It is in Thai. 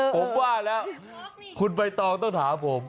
ผมว่าแล้วคุณใบตองต้องถามผม